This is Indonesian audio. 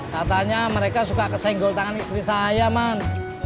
katanya mereka suka kesenggol tangan istri saya man